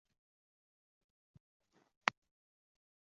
Oltinchi bekat: Navoiy bilan hamohang